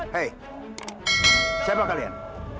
hei siapa kalian